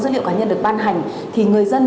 dữ liệu cá nhân được ban hành thì người dân